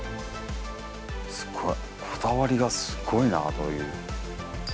すごい、こだわりがすごいなという。